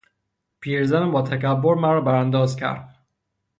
پیر زن باتکبر مرا برانداز کرد.